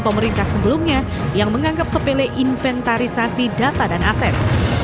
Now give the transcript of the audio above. pemerintah sebelumnya yang menganggap sepele inventarisasi data dan aset